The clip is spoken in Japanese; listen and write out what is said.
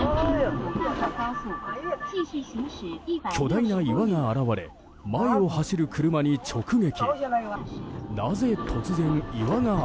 巨大な岩が現れ前を走る車に直撃。